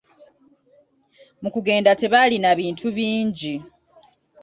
Mu kugenda tebaalina bintu bingi.